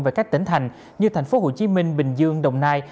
về các tỉnh thành như tp hcm bình dương đồng nai